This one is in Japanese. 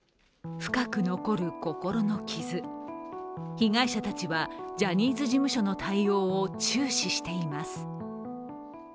被害者たちはジャニーズ事務所の対応を注視しています。